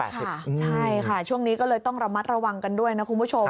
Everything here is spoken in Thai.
ใช่ค่ะช่วงนี้ก็เลยต้องระมัดระวังกันด้วยนะคุณผู้ชม